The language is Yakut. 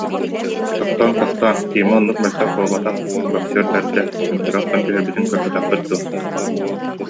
Тохтооҥ, тохтооҥ, Тима оннук мөлтөх буолбатах, боксер бэрдэ, түҥнэри охсон түһэрбитин көрбөтөххүт дуо